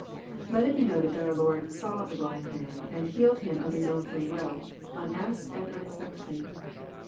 Let it be noted, that our Lord "saw" the blind man, and healed him of His own free will, unasked, and unexpectedly.